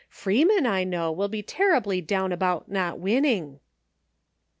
Freeman, I know, will be terribly down about not winning."